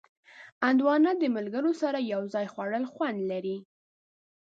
هندوانه د ملګرو سره یو ځای خوړل خوند لري.